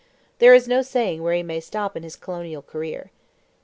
There is no saying where he may stop in his colonial career.